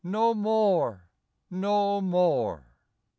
No more! no more!